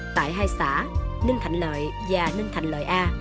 tại hai xã ninh thạnh lợi và ninh thành lợi a